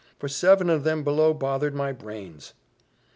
for seven of them below bothered my brains."